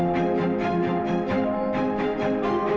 jangan pernah sakitin perasaannya